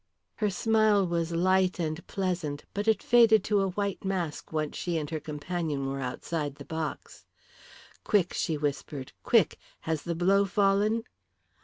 Her smile was light and pleasant. But it faded to a white mask once she and her companion were outside the box. "Quick," she whispered. "Quick. Has the blow fallen?"